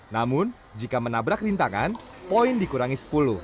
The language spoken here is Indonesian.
namun jika menabrak rintangan poin dikurangi sepuluh